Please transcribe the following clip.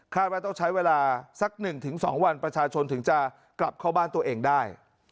ว่าต้องใช้เวลาสัก๑๒วันประชาชนถึงจะกลับเข้าบ้านตัวเองได้